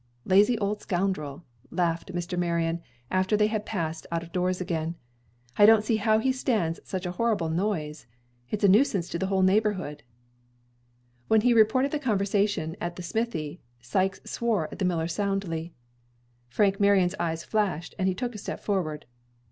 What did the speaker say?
"Lazy old scoundrel," laughed Mr. Marion, after they had passed out of doors again. "I don't see how he stands such a horrible noise. It is a nuisance to the whole neighborhood." When he reported the conversation at the smithy, Sikes swore at the miller soundly. Frank Marion's eyes flashed, and he took a step forward.